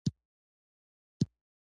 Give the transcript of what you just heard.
سپین ویښته د مرګ استازی دی دیني شالید لري